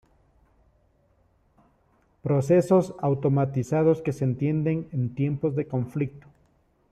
Procesos automatizados que se entienden en tiempos de conflicto.